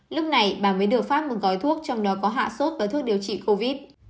lúc này bà mới được phát một gói thuốc trong đó có hạ sốt và thuốc điều trị covid